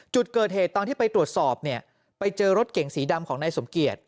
จุดเกิดเหตุตอนที่ไปตรวจสอบเนี่ยไปเจอรถเก่งสีดำของนายสมเกียจ